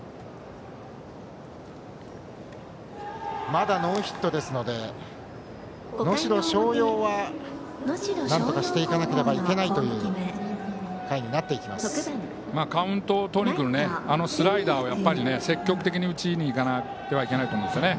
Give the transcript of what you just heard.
まだノーヒットですので能代松陽はなんとかしていかなければいけないというカウントを取りに来るスライダーを積極的に打ちにいかなくてはならないと思うんですよね。